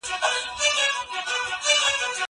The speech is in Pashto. زه پرون سبزیجات خورم!.